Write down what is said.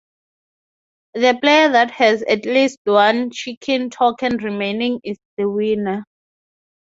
The player that has at least one chicken token remaining is the winner.